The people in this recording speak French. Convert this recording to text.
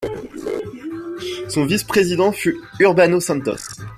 Son vice-président fut Urbano Santos.